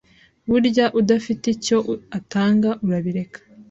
burya udafite icyo atanga urabireka